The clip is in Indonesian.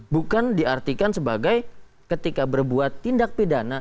bukan diartikan sebagai ketika berbuat tindak pidana